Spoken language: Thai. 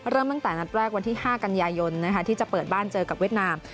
เริ่มตั้งแต่นัดแรกวันที่๕กันยายนที่จะเปิดบ้านเจอกับเวียดนาม